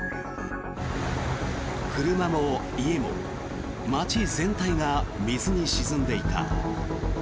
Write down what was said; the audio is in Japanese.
車も家も街全体が水に沈んでいた。